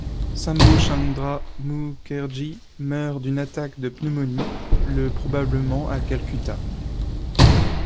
Sambhu Chandra Mukherjee meurt d'une attaque de pneumonie le probablement à Calcutta.